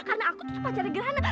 karena aku tuh pacara gerhana